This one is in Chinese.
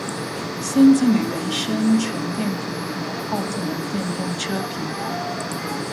先进的原生纯电平台奥特能电动车平台